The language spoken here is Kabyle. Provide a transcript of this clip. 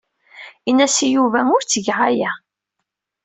Ini-as i Yuba ur ttgeɣ aya.